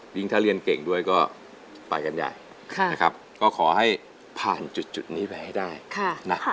ยิ่งถ้าเรียนเก่งด้วยก็ไปกันใหญ่นะครับก็ขอให้ผ่านจุดนี้ไปให้ได้นะ